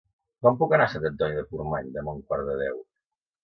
Com puc anar a Sant Antoni de Portmany demà a un quart de deu?